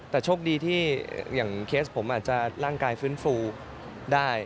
แต่โชคดีที่อย่างเคสผมอาจจะร่างกายฟื้นฟูได้